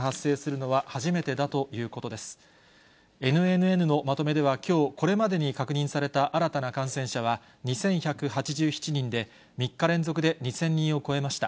ＮＮＮのまとめではきょう、これまでに確認された新たな感染者は２１８７人で、３日連続で２０００人を超えました。